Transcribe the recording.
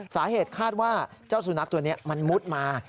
สาเหตุคาดว่าเจ้าสุนัขตัวนี้มันมุดมา